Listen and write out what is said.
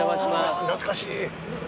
懐かしい。